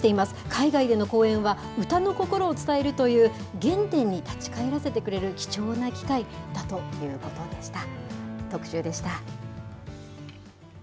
海外の公演は、歌の心を伝えるという原点に立ち返らせてくれる貴重な機会だということでした。